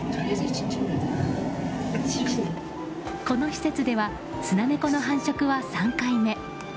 この施設ではスナネコの繁殖は３回目。